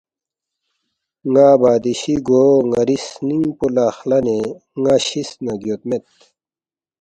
”ن٘ا بادشی گو ن٘ری سنِنگ پو لہ خلنے ن٘ا شِس نہ گیودمید